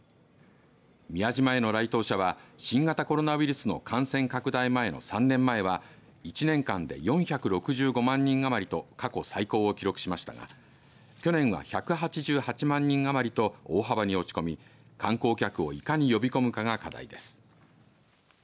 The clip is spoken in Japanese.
宮島への来島者は新型コロナウイルスの感染拡大前の３年前は１年間で４６５万人余りと過去最高を記録しましたが去年は１８８万人余りと大幅に落ち込み観光客をいかに呼び込むかが課題です。